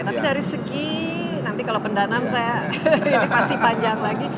tapi dari segi nanti kalau pendanaan saya ini masih panjang lagi